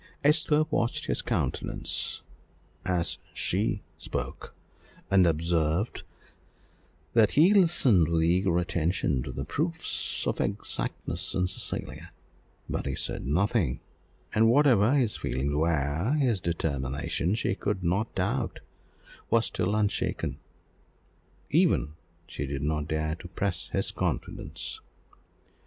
Esther watched his countenance as she spoke, and observed that he listened with eager attention to the proofs of exactness in Cecilia; but he said nothing, and whatever his feelings were, his determination, she could not doubt, was still unshaken; even she did not dare to press his confidence.